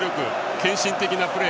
献身的なプレー。